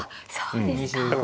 そうですか。